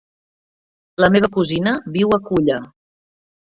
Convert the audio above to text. La meva cosina viu a Culla.